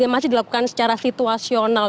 masih dilakukan secara situasional